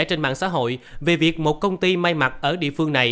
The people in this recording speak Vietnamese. trên mạng xã hội về việc một công ty may mặt ở địa phương này